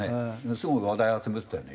すごい話題集めてたよね